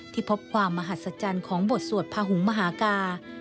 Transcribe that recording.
พบความมหัศจรรย์ของบทสวดพาหุงมหากา